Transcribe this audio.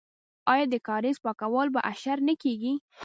آیا د کاریز پاکول په اشر نه کیږي؟